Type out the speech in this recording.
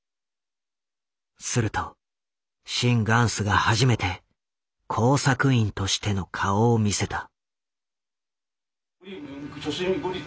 するとシン・グァンスが初めて工作員としての顔を見せた。